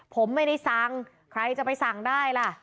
ผมไม่ได้สั่งใครจะไปสั่งได้ล่ะ